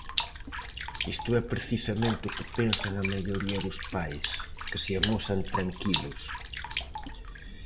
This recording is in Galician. Isto é precisamente o que pensan a maioría dos pais, que se amosan tranquilos.